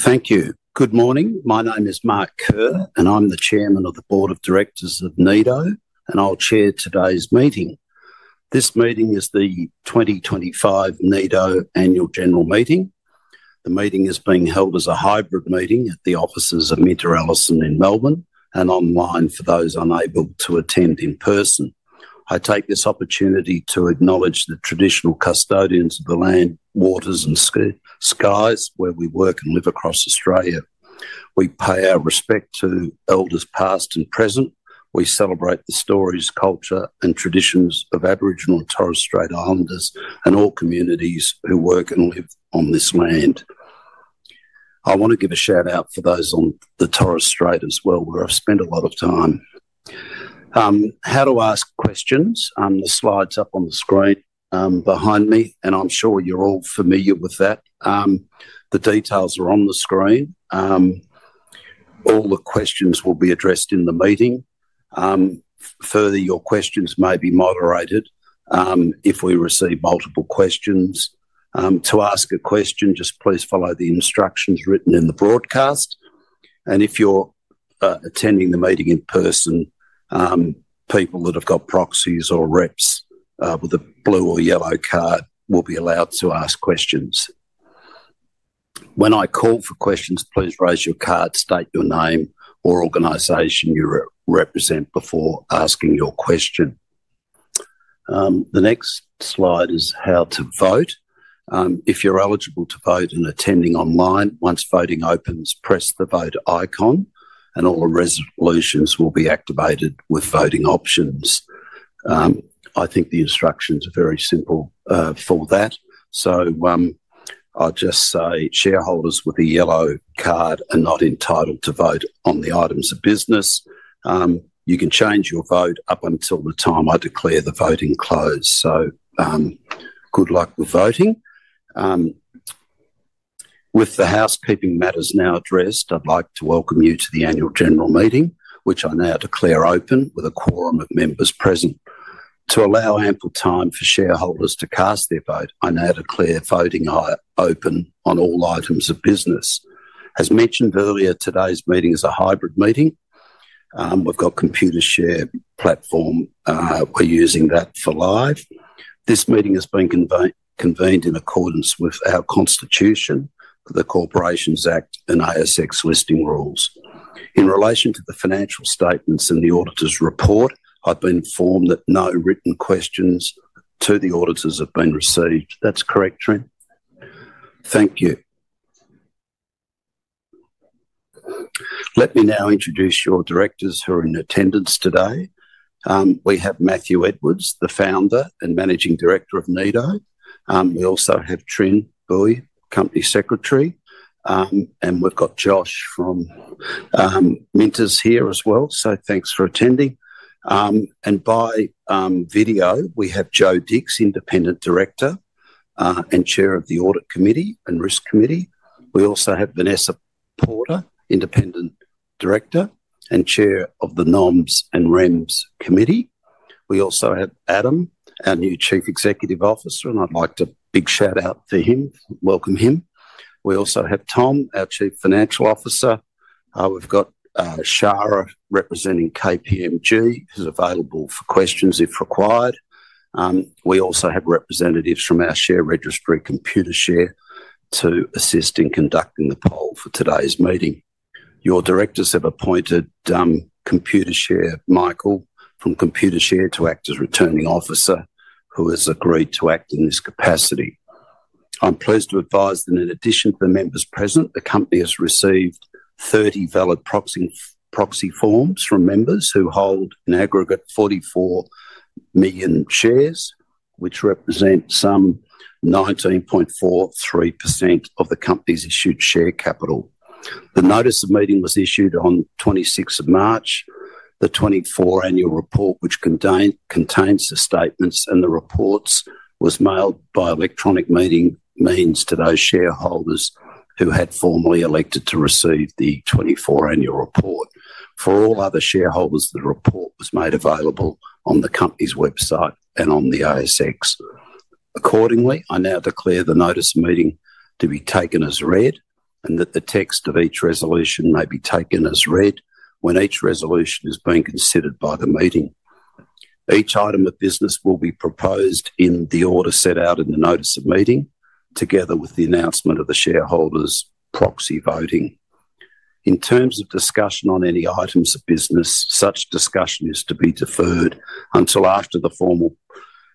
Thank you. Good morning. My name is Mark Kerr, and I'm the Chairman of the Board of Directors of Nido, and I'll chair today's meeting. This meeting is the 2025 Nido Annual General Meeting. The meeting is being held as a hybrid meeting at the offices of MinterEllison in Melbourne and online for those unable to attend in person. I take this opportunity to acknowledge the traditional custodians of the land, waters, and skies where we work and live across Australia. We pay our respect to Elders past and present. We celebrate the stories, culture, and traditions of Aboriginal and Torres Strait Islanders and all communities who work and live on this land. I want to give a shout-out for those on the Torres Strait as well, where I've spent a lot of time. How to ask questions? The slides up on the screen behind me, and I'm sure you're all familiar with that. The details are on the screen. All the questions will be addressed in the meeting. Further, your questions may be moderated if we receive multiple questions. To ask a question, just please follow the instructions written in the broadcast. If you're attending the meeting in person, people that have got proxies or reps with a blue or yellow card will be allowed to ask questions. When I call for questions, please raise your card, state your name, or organization you represent before asking your question. The next slide is how to vote. If you're eligible to vote and attending online, once voting opens, press the vote icon, and all the resolutions will be activated with voting options. I think the instructions are very simple for that. I'll just say shareholders with a yellow card are not entitled to vote on the items of business. You can change your vote up until the time I declare the voting closed. Good luck with voting. With the housekeeping matters now addressed, I'd like to welcome you to the Annual General Meeting, which I now declare open with a quorum of members present. To allow ample time for shareholders to cast their vote, I now declare voting open on all items of business. As mentioned earlier, today's meeting is a hybrid meeting. We've got Computershare platform. We're using that for live. This meeting has been convened in accordance with our Constitution, the Corporations Act, and ASX Listing Rules. In relation to the financial statements and the auditor's report, I've been informed that no written questions to the auditors have been received. That's correct, Trent? Thank you. Let me now introduce your directors who are in attendance today. We have Matthew Edwards, the founder and managing director of Nido. We also have Trent Buoy, company secretary. We have Josh from Minters here as well. Thanks for attending. By video, we have Joe Dicks, independent director and chair of the Audit Committee and Risk Committee. We also have Vanessa Porter, independent director and chair of the NOMS and REMS Committee. We also have Adam, our new chief executive officer, and I'd like to big shout-out to him, welcome him. We also have Tom, our chief financial officer. We have Shara representing KPMG, who's available for questions if required. We also have representatives from our share registry, Computershare, to assist in conducting the poll for today's meeting. Your directors have appointed Computershare Michael from Computershare to act as returning officer, who has agreed to act in this capacity. I'm pleased to advise that in addition to the members present, the company has received 30 valid proxy forms from members who hold an aggregate 44 million shares, which represent some 19.43% of the company's issued share capital. The notice of meeting was issued on 26 March. The 2024 annual report, which contains the statements and the reports, was mailed by electronic meeting means to those shareholders who had formally elected to receive the 2024 annual report. For all other shareholders, the report was made available on the company's website and on the ASX. Accordingly, I now declare the notice of meeting to be taken as read and that the text of each resolution may be taken as read when each resolution is being considered by the meeting. Each item of business will be proposed in the order set out in the notice of meeting, together with the announcement of the shareholders' proxy voting. In terms of discussion on any items of business, such discussion is to be deferred until after the formal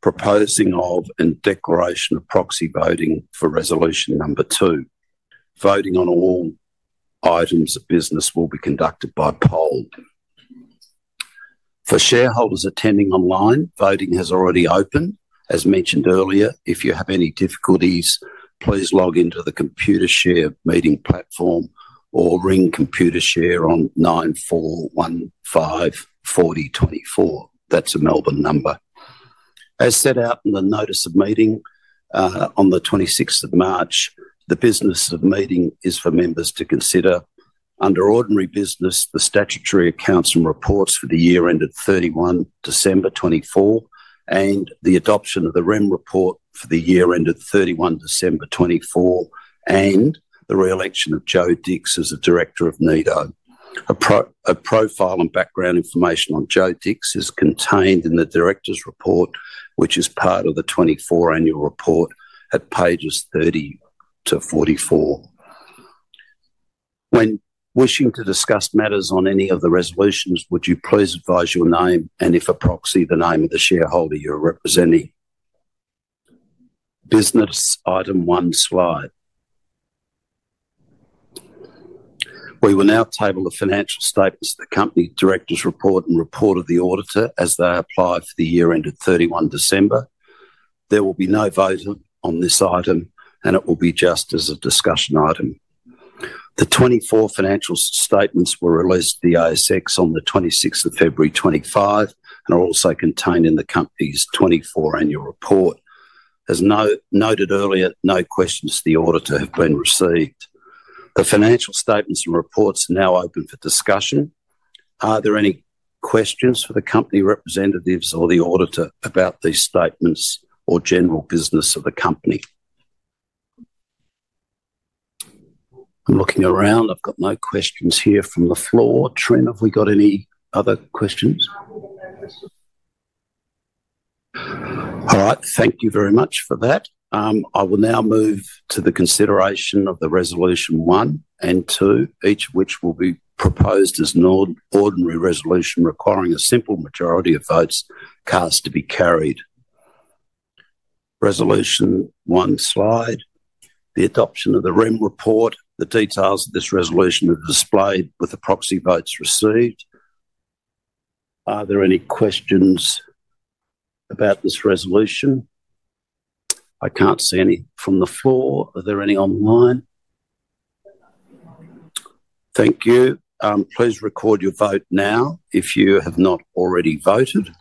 proposing of and declaration of proxy voting for resolution number two. Voting on all items of business will be conducted by poll. For shareholders attending online, voting has already opened. As mentioned earlier, if you have any difficulties, please log into the Computershare meeting platform or ring Computershare on 9415 4024. That is a Melbourne number. As set out in the notice of meeting on the 26th of March, the business of meeting is for members to consider under ordinary business the statutory accounts and reports for the year ended 31 December 2024 and the adoption of the REM report for the year ended 31 December 2024 and the re-election of Joe Dicks as a director of Nido. A profile and background information on Joe Dicks is contained in the director's report, which is part of the 2024 annual report at pages 30 to 44. When wishing to discuss matters on any of the resolutions, would you please advise your name and, if a proxy, the name of the shareholder you are representing? Business item one slide. We will now table the financial statements of the company director's report and report of the auditor as they apply for the year ended 31 December. There will be no voting on this item, and it will be just as a discussion item. The 2024 financial statements were released to the ASX on the 26th of February 2025 and are also contained in the company's 2024 annual report. As noted earlier, no questions to the auditor have been received. The financial statements and reports are now open for discussion. Are there any questions for the company representatives or the auditor about these statements or general business of the company? I'm looking around. I've got no questions here from the floor. Trent, have we got any other questions? All right. Thank you very much for that. I will now move to the consideration of resolution one and two, each of which will be proposed as an ordinary resolution requiring a simple majority of votes cast to be carried. Resolution one slide. The adoption of the Remuneration Report. The details of this resolution are displayed with the proxy votes received. Are there any questions about this resolution? I can't see any from the floor. Are there any online? Thank you. Please record your vote now if you have not already voted.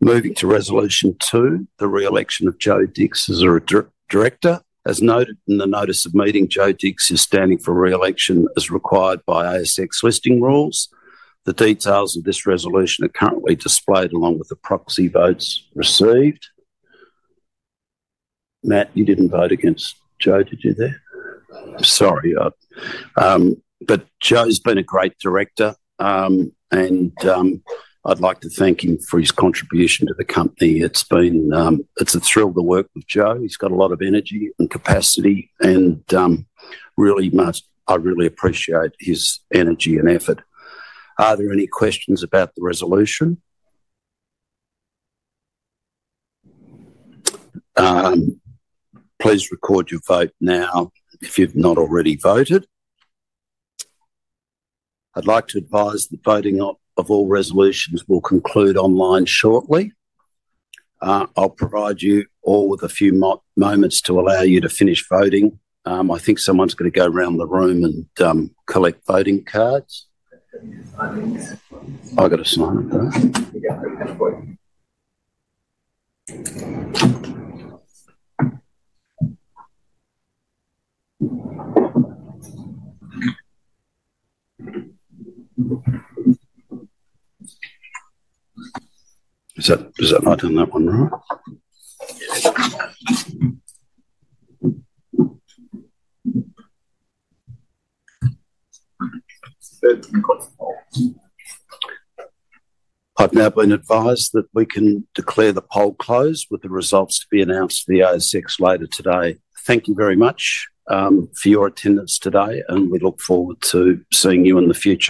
Moving to resolution two, the re-election of Joe Dicks as a director. As noted in the notice of meeting, Joe Dicks is standing for re-election as required by ASX Listing Rules. The details of this resolution are currently displayed along with the proxy votes received. Matt, you didn't vote against Joe, did you there? Sorry. Joe's been a great director, and I'd like to thank him for his contribution to the company. It's a thrill to work with Joe. He's got a lot of energy and capacity, and I really appreciate his energy and effort. Are there any questions about the resolution? Please record your vote now if you've not already voted. I'd like to advise that voting of all resolutions will conclude online shortly. I'll provide you all with a few moments to allow you to finish voting. I think someone's going to go around the room and collect voting cards. I've got a sign up there. Is that what I did that one right? I've now been advised that we can declare the poll closed with the results to be announced to the ASX later today. Thank you very much for your attendance today, and we look forward to seeing you in the future.